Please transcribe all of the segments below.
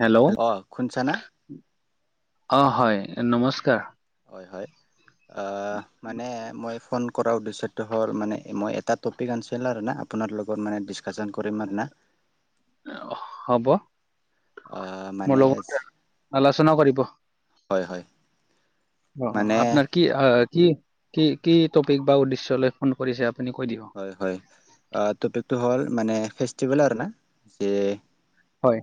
Hello অ', শুন চা না? অ', হয় অ নমস্কাৰ। হয় হয়। মানে মই ফোন কৰাৰ উদ্দেশ্যটো হ'ল মানে মই এটা টপিক অনচিলো আৰু না আপোনাৰ লগত মানে ডিচকাচন কৰিম আৰু না। হ'ব। অঁ', মোৰ মানে লগত আলোচনা কৰিব হয় হয়। অ', মানে আপনাৰ কি কি কি কি টপিক বা উদ্দেশ্য লৈ ফোন কৰিছে আপুনি কৈ দিব। হয় হয় টপিকটো হ'ল মানে ফেষ্টিভেল আৰু না যে হয়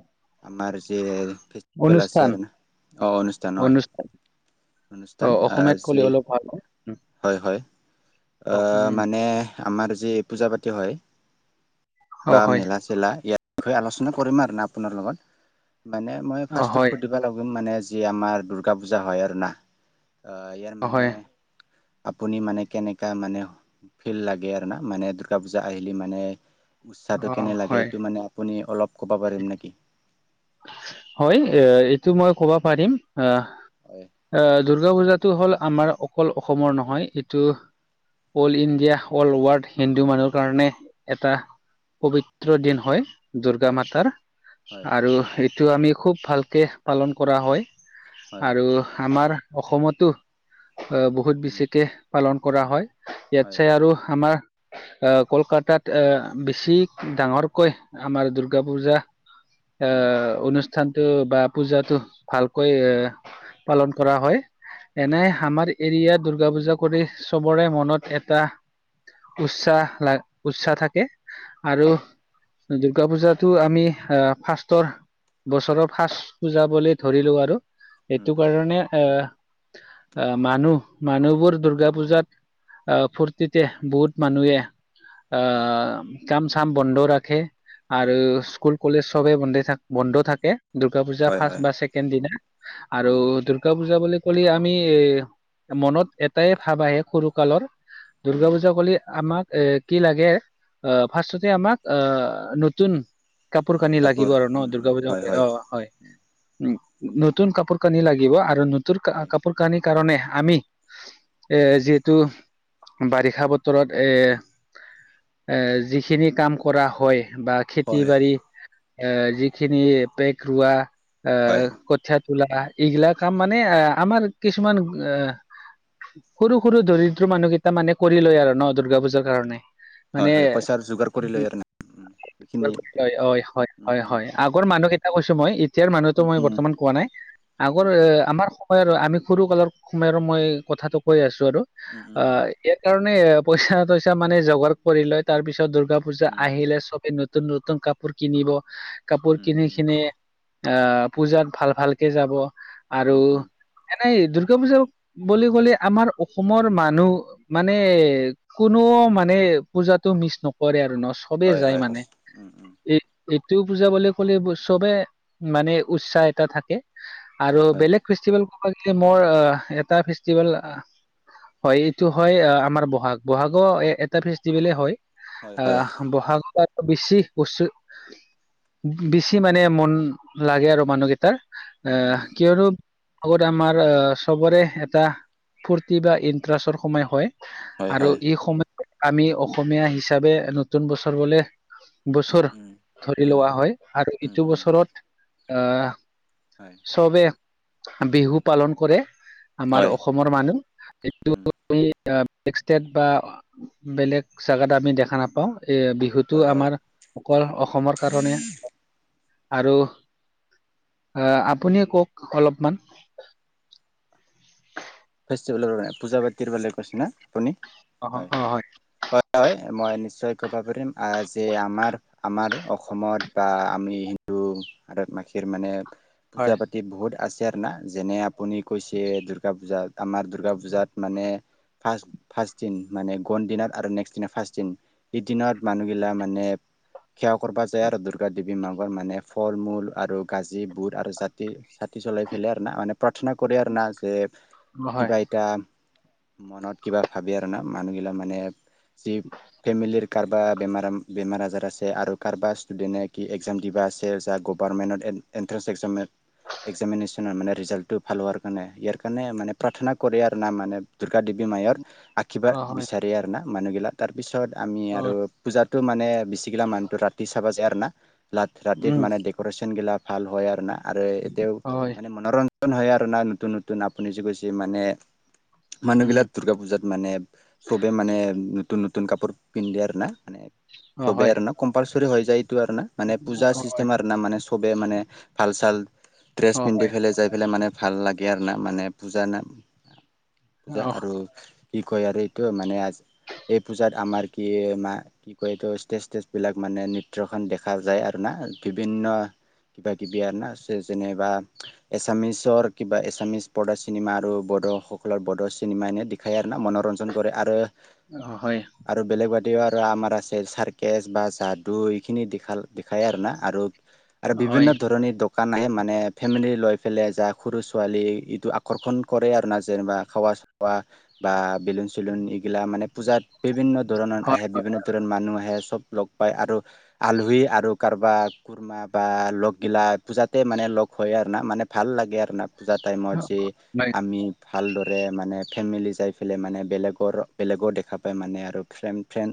আমাৰ যে ফেষ্টিভেল আছে অনুষ্ঠান আৰু না অ', অনুষ্ঠান হয়। অ অনুষ্ঠান অসমীয়াত ক'লে আজি অলপ ভাল হয় উম হয় হয় কওক। অ', উম, মানে আমাৰ যি পূজা পাতি হয় অ বা হয় মেলা মেলা ইয়াৰ বিষয় আলোচনা কৰিম আৰু না আপোনাৰ লগত মানে মই অ ফাৰ্ষ্টট হয় সুধিব ল মানে যি আমাৰ দূৰ্গা পূজা হয় আৰু না ইয়াৰ অ মানে হয় আপুনি মানে কেনেকা মানে ফিল লাগে আৰু না মানে দৰ্গা পূজা আহিলে মানে অ উৎসাহটো কেনে লাগে হয় এইটো মানে আপুনি অলপ ক'ব পাৰিম নেকি। হয় এ এইটো মই ক'ব পাৰিম আহ হয় আহ দূৰ্গা পূজাটো হ'ল আমাৰ অকল অসমৰ নহয় এইটো all India all world Hindu মানুহৰ কাৰণে এটা পবিত্ৰ দিন হয়। দুৰ্গা হয় মাতাৰ হয় আৰু এইটো আমি খুব ভালকৈ পালন কৰা হয়। হয় আৰু আমাৰ অসমতো বহুত উম বেছিকে পালন কৰা হয় হয় ইয়াতচে আৰু আমাৰ কলকাতাত এ বেছি ডাঙৰকৈ আমাৰ দুৰ্গা পূজা এ হয় অনুষ্ঠানতটো বা পূজাটো ভালকৈ এ হয় পালন কৰা হয় এনে আমাৰ এৰিয়া দুূৰ্গা পূজা কৰি চবৰে মনত এটা উৎসাহ ল উৎসাহ থাকে। হয় আৰু হয় দুৰ্গা পূজাটো আমি ফাৰ্ষ্ষ্টৰ বছৰৰ ফাৰ্ষ্ট পুজাবলে ধৰিলো আৰু উম এইটো কাৰণে এ আহ মানুহ মানুহবোৰ দূৰ্গা পূজাত আহ ফূুৰ্তিতে বহুত মানুহে হয় কাম চাম বন্ধ ৰাখে আৰু হয় স্কুল কলেজ চবেই বন্ধে থাকে। বন্ধ থাকে দুূৰ্গা পূজা হয় ফাৰ্ষ্ট হয় বা ছেকেণ্ড দিনা। আৰু উম দুূৰ্গা পূজা বুলি কলে আমি এ মনত এটাই ভাৱ আহে সৰু কালৰ দূৰ্গা উম পূজা কৰি আমাক এ কি লাগে আহ ফাৰ্ষ্টতে আমাক আহ নতুন কাপোৰ উম কানি লাগিব আৰু ন উম দুৰ্গা উম পূজা হয় অ' হয় উম নতুন কাপোৰ কানি লাগিব আৰু নতুন হয় কাপোৰ কানীৰ কাৰণে আমি এ যিহেতু বাৰিষা বতৰত এ যিখিনি কাম কৰা হয় বা খেতি হয় বাৰী এ যিখিনি পেগ ৰোৱা হয় আহ কথিয়াত তলা এইগিলাক কাম মানে আ আমাৰ কিছুমান অ' সৰু সৰু দৰিদ্ৰ মানুহকেইটা মানে কৰি লয় আৰু ন দুৰ্গা পূজাৰ কাৰণে হয় মানে হয় পইচাৰ যোগাৰ কৰি লয় আৰু না উম এইখিনি হয় উম হয় উম হয় আগৰ মানুহকেইটা কৈছো মই এতিয়াৰ মানুহতো উম মই উম বৰ্তমান কোৱা নাই আগৰ উম উম আমাৰ সময় আৰু আমি সৰু কালৰ সময়ৰ মই কথাটো কৈ আছো আৰু উম উম অ', কাৰণে পইচা তইচা মানে জগাৰ কৰি লয় তাৰ পিছত দুৰ্গা পূজা উম আহিলে চবে নতুন নতুন কাপোৰ কিনিব কাপোৰ উম কিনি উম কিনে আহ পূজাত ভাল ভালকে যাব আৰু উম উম এনেই দুৰ্গা পূজা বুলি ক'লে আমাৰ অসমৰ মানুহ মানে কোনো মানে পূজাতটো মিচ নকৰে আৰু ন সবেই হয় যায় হয় মানে সঁচ- উম উম এই এইটোও পূজা বুলি ক'লে চবে মানে উৎসাহ এটা থাকে আৰু হয় হয় বেলেগ ফেষ্টিভেল ক'ব গলে মোৰ এটা ফেষ্টিভেল হয় এইটো হয় আমাৰ বহাগ বহাগৰ এ এটা ফেষ্টিভলে হয়। হয় হয় আহ বহাগ মাহটো বেছি বেছি মানে মন লাগে আৰু মানুহকেইটাৰ উম উম আহ কিয়নো আগত আমাৰ অ', চবৰে এটা ফূৰ্তি বা ইণ্টাৰেষ্টৰ সময় হয় হয় আৰু হয় ই সময় আমি অসমীয়া হিচাপে নতুন বছৰ বলে উম উম উম লোৱা হয় আৰু উম ইটো উম বছৰত আহ হয়। চবে বিহু পালন কৰে আমাৰ হয় অসম অসমৰ মানুহ উম [unintelligible] বেলেগ জাগাত আমি দেখা নাপাও বিহুটো হয় হয় আমাৰ অকল অসমৰ কাৰণে আৰু আহ আপুনিয়ে কওক অলপমান ফেষ্টিভেলৰে পূজা পাতিৰ বাবে কৈছে না আপুনি অ হয় অ হয় হয় মই নিশ্চয় ক'ব পাৰিম আহ যে আমাৰ আমাৰ অসমত বা আমি হিন্দু বাসীৰ মানে পূজা হয় পাতি বহুত আছে আৰু না যেনে আপুনি কৈছে দূৰ্গা পূজা আমাৰ দুৰ্গা পূজাত মানে ফ্ষ ফাৰ্ষট দিন মানে গন দিনত আৰু নেক্স দিনা ফাৰ্ষট দিন এদিনত মানুহগিলা মানে সেৱা কৰিব যায় আৰু দুৰ্গা দেৱী মাৰ মানে ফল মূল আৰু গাজী বুট আৰু চাকি চাকি জলাই পেলাই আৰু মানে প্ৰাৰ্থনা কৰে আৰু যে অ হয় কিবা এটা মনত কিবা ভাবি আৰু না মানুহগিলাক মানে যি ফেমিলিৰ কাৰবা বেমাৰ আজাৰ আছে আৰু কাৰোবাৰ ষ্টুডেন্টে কি একজাম দিবা আছে গভমেণ্টত এ এণ্ট্ৰেন্ঞ্চ একসাম এক্সামিনেশ্যনৰ মানে ৰিজাল্টটো ভাল হোৱাৰ কাৰণে ইয়াৰ কাৰণে মানে প্ৰাৰ্থনা কৰে আৰু না মানে দুৰ্গা দেৱী মায়ৰ আশীৰ্বাদ অ হয় বিচাৰে আৰু না মানুহগিলাক তাৰপিছত আমি অ আৰু পূজাটো মানে বেছিগিলা মানুহটো ৰাতি চাবা যায় আৰু না ৰাতি উম মানে ডেক'ৰেশচন গিলা ভাল হয় আৰু না আৰু এতিয়াও অ হয় মানে মনোৰন নতুন হয় আৰু না নতুন নতুন আপুনি যে কৈছে মানে উম মানুহগিলাক দুৰ্গা পূজাত মানে চবে মানে নতুন নতুন কাপোৰ পিন্ধে আৰু না মানে অ চবেই হয় আৰু ন কম্পালচৰি হৈ যায় এইটো আৰু না মানে পূজা অ হয় চিষ্টেম আৰু না মানে চবে মানে ভাল চাল ড্ৰেছ অ পিন্ধি হয় পেলাই যাই পেলাই মানে ভাল লাগে আৰু না মানে বুজা না পূজা অ আৰু কি কয় আৰু এইটো মানে এই পূজাত আমাৰ কি মা কি কয় এইটো ষ্টেজ ষ্টেজ বিলাক মানে নৃত্য [unintelligible] দেখা যায় আৰু না বিভিন্ন কিবা কিবি আৰু না যেনেবা এছামিচৰ কিবা এছামিছ পৰ্দা চিনেমা আৰু বডসকলৰ বডৰ চিনেমা এনেই দেখায় আৰু না মনোৰঞ্জন কৰে আৰু অ', হয়। আৰু বেলেগ বাদেও আৰু আমাৰ আছে চাৰ্কেজ বা যাদু এইখিনিাল দেখায় আৰু না আৰু আৰু হয় হয় বিভিন্ন ধৰণিৰ দোকান আহে মানে ফেমিলি লৈ পেললে যাক সৰু ছোৱালী টো আকৰ্ষণ কৰে আৰু না যেনিবা খোৱা চোৱা বা বেলুন চেলুন এইগিলা মানে পূজাত বিভিন্ন ধৰণৰ হয় আহে বিভিন্ন ভিত মানুহ আহে চব লগ পায় আৰু আলহী আৰু কাৰোবা কৰ্মা বা লগ গিলা পূজাতে মানে লগ হয় আৰু না মানে ভাল লাগে আৰু না পূজা টাইমত যে নাই। আমি ভালদৰে মানে ফেমিলি যাই। পেলাই মানে বেলেগৰ বেলেগৰ দেখা পায়, মানে আৰু ফ্ৰেণ ফ্ৰেণ্,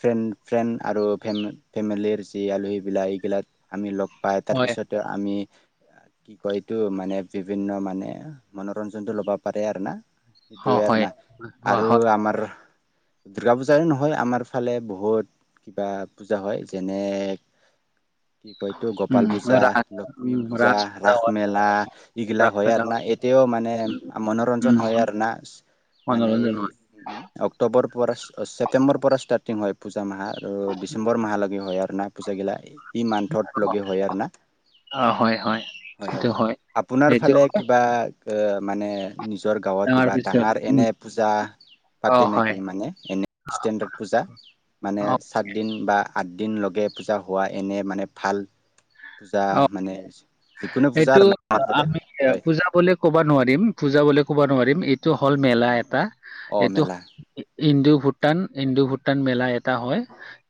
ফ্ৰেণ্ড, ফ্ৰেণ্ড আৰু ফে ফেমিলিৰ যি আলহীবিলাক এইগিলাক আমি লগ পাই হয় তাৰপিছতে আমি কি কয় এইতটো মানে বিভিন্ন মানে মনোৰঞ্জনটো ল'ব পাৰে আৰু না অ সেইটোৱে আৰু হয় না অ আৰু হয় আমাৰ দুৰ্গা পূজাৰে নহয়। আমাৰ ফালে বহুত কিবা পূজা হয়। যেনে কি কয়তো গোপাল উম পূজা ৰাস লক্ষ্মী উম পূজা ৰাস হয় মেলা এইগিলা ৰাস হয়। মেলা আৰু না এতিয়াও মানে মনোৰঞ্জন উম হয় আৰু নাচ মানে মনোৰঞ্জন এই হয় অক্টোবৰ পৰা ছেপ্টেম্বৰ পৰা ষ্টাৰ্টিং হয় পূজা মাহ আৰু ডিচেম্বৰ মাহলৈকে হয় আৰু না পুজাাগিলা ই মান্থত লগে হয় আৰু না অ হয় হয় হয়। হয়। সেইটো আপোনাৰ সেইটো ফালে কিবা মানে নিজৰ গাঁৱৰ কিবা পিছত ডাঙৰ উম এনে পূজা অ পাতে হয় নেকি মানে এনে ষ্টেণ্ডাৰড পূজা মানে অ সাতদিন বা আঠদিন লগে পূজা হোৱা এনে মানে ভাল পূজা মানে যিকোনো পূজা সেইটো আৰু না আমাৰ ফালে আমি হয় পূজা ক'ব নোৱাৰিম। পূজা ব ক'ব নোৱাৰিম। এইটো হ'ল মেলা এটা অ এইটো মেলা ইন্দু ভূটান ইন্দু ভূটান মেলা এটা হয়।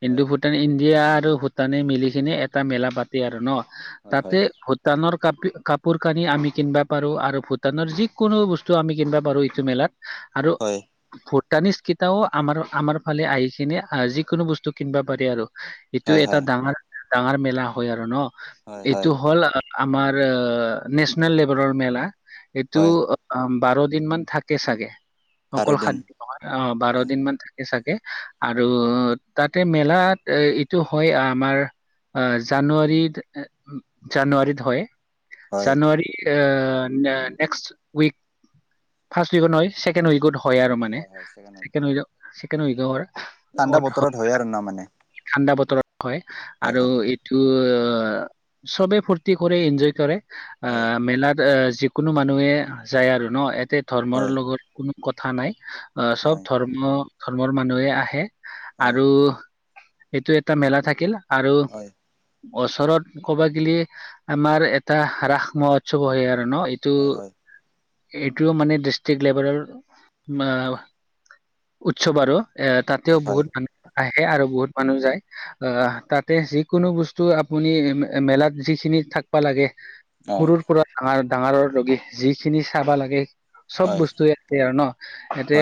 ইন্দু হয় ভূট [unintelligible] ইণ্ডিয়া আৰু ভূটানে মিলি কিননে এটা মেলা পাতি আৰু ন হয় তাতে হয় ভ ভূটানৰ কাপ কাপোৰ কানি আমি কিনিবা পাৰোঁ, আৰু ভূটানৰ। যিকোনো বস্তু আমি কিনিবা পাৰোঁ। এইটো মেলাত আৰু হয়। ভূটানিজ কেইটাও আমাৰ, আমাৰ ফালে আহি খিনি আহ যিকোনো বস্তু কিনিবা পাৰি আৰু এইটো হয় এটা হয় ডাঙৰ, ডাঙৰ মেলা হয়, আৰু ন। হয় হয় এইটো হ'ল আমাৰ নেশচনেল লেভেলৰ মেলা এইটো হয় অ', বাৰ দিন মান থাকে। চাগে বাৰ অকল দিন খাদ্য অ', বাৰ হয় দিন মান থাকে চাগে আৰু তাতে মেলাত এ এইটো হয়। আমাৰ অ, জানুৱাৰী, জানুৱাৰী হয়। হয় জানুৱাৰী এ, নেক্সট উইক ফাৰ্ষট উইকত নহয় ছেকেণ্ড উইকত হয় আৰু মানে অ হয় ছেকেণ্ডত চেন চিকেনৰ ঠাণ্ডা বতৰত হয় আৰু ন মানে ঠাণ্ডা বতৰতৰত হয়, হয় আৰু হয় এইটো চবেই ফুৰ্তি কৰে এনজয় কৰে হয় আহ মেলাত যিকোনো মানুহে যায় আৰু ন। এতে ধৰ্মৰ হয় লগত কোনো কথা নাই। আহ চব হয় ধৰ্ম ধৰ্মৰ মানুহে আহে হয় আৰু এইটো এটা মেলা থাকিল আৰু হয় ওচৰত ক'ব গিলি আমাৰ এটা ৰাস মহোৎসৱ হয় আৰু ন এইটো হয়। হয়। এইটোও মানে ডিষ্ট্ৰিক্ লেভেলৰ উৎসৱ আৰু এ হয় তাতেও হয় বহুত মানুহ আহে আৰু বহুত মানুহ হয় যায় অহ, তাত তাতে যিকোনো বস্তু আপুনি মেলাত যিখিনি থাকিবা লাগে হয় সৰুৰ সৰু-সৰা‌ ডাঙৰ-ডাঙৰৰ লেগি যিখিনি চাবা লাগে। চব হয় হয় বস্তুৱে আছে আৰু ন' ইয়াতে।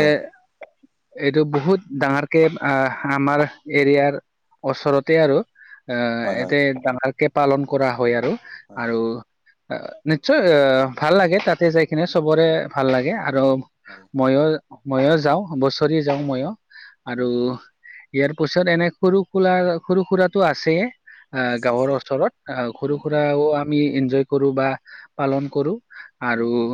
এইটো বহুত ডাঙৰকে অহ, আমাৰ এৰিয়াৰ ওচৰতে আৰু। অহ, হয় এতে ডাঙকে পালন কৰা হয় আৰু। হয় হয় আৰু নিশ্চয় অহ, ভাল লাগে তাতে যায় কিনে চবৰে ভাল লাগে আৰু হয়। মইয়ো-মইয়ো যাওঁ বছৰি যাওঁ মইয়ো আৰু উম উম ইয়াৰ পিছত এনেই সৰু-কোলা, সৰু-সুৰাটো আছেয়ে। অহ, আছে গাঁৱৰ আছে ওচৰত অহ, উম উম সৰু-সুৰাও আমি এনজয় কৰোঁ বা পালন কৰোঁ। উম আৰু উম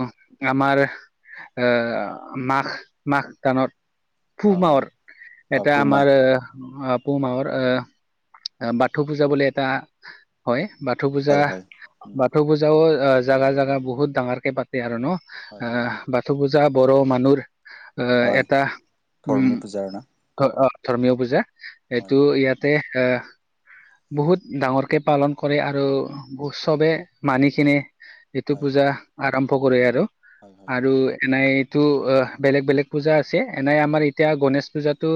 আমাৰ অহ, মাঘ-মাঘ গানত পুহ অ অ মহত অ এটা পুমা আমাৰ পুহ মাহৰ অহ, বাথৌ পূজা বুলি এটা হয়। বাথৌ পূজা হয় হয় উম বাথৌ পূজাও অহ, জাগা-জাগা বহুত ডাঙৰকে পাতে আৰু ন'। হয় অ হয় বাথৌ পূজা বড়ো মানুহ অহ, হয় এটা ধৰ্মী উম। পূজাৰ না অহ, ধৰ্মীয় পূজা, হয় এইটো ইয়াতে অহ, বহুত ডাঙৰকে পালন কৰে আৰু চবে মানি কিনে এইটো হয় পূজা আৰম্ভ কৰে আৰু। হয় হয় আৰু এনাই এইটো বেলেগ-বেলেগ পূজা আছে। এনেই আমাৰ এতিয়া গণেশ পূজাটো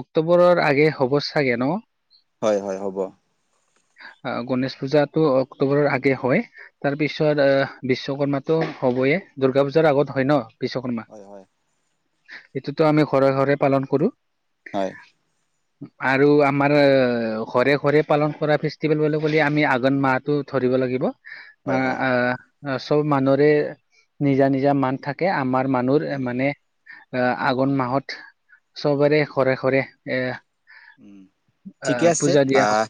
অক্টোবৰৰ আগে হ'ব চাগে ন'। হয়, হয়, হ'ব। আহ গনেেশ পূজাটো অক্টোবৰৰ আগে হয়, তাৰ পিছত আহ বিশ্বকৰ্মাটো হবয়ে, দুৰ্গা পূজাৰ আগত হয় ন বিশ্বকৰ্মা? হয় হয় এইটোতো আমি ঘৰে ঘৰে পালন কৰো। [inaudible] আৰু আমাৰ ঘৰে ঘৰে পালন কৰা ফেষ্টিভেল বুলি ক'লে আমি আঘোণ মাহতোত ধৰিব লাগিব আহ হয় হয় আহ চব মানুহৰে নিজা নিজা মান থাকে আমাৰ মানুহৰ উম মানে এ আঘোন মাহত চবৰে ঘৰে ঘৰে এ উম ঠিকে আহ আছে পূজা দিয়া হয় আহ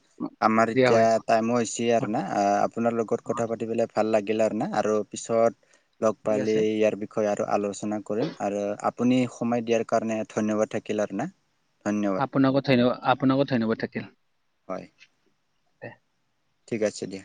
আমাৰ দিয়া এতিয়া হয় টাইমো হৈছে আৰু না, আপোনাৰ লগত কথা পাতিব পেলাই ভাল লাগিল আৰু ন। আৰু পিছত লগ ঠিক পালে আছে ইয়াৰ বি বিষয় আৰু আলোচনা কৰিম, আৰু আপুনি সময় দিয়াৰ কাৰণে ধন্যবাদ থাকিল আৰু না। ধন্যাদ আপোনাকো ধন্যবাদ আপোনাকো ধন্যবাদ থাকিল। হয়। ঠিক আছে দিয়া।